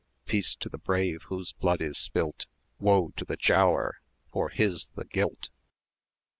720 Peace to the brave! whose blood is spilt: Woe to the Giaour! for his the guilt."